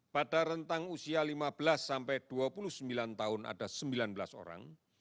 pada rentang usia lima belas sampai dua puluh sembilan tahun ada sembilan belas orang